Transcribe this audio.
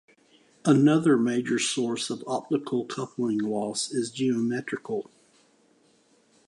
Another major source of optical coupling loss is geometrical.